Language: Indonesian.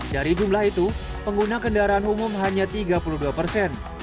dari jumlah itu pengguna kendaraan umum hanya tiga puluh dua persen